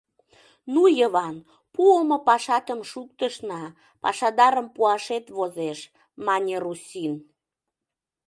— Ну, Йыван, пуымо пашатым шуктышна, пашадарым пуашет возеш, — мане Руссин.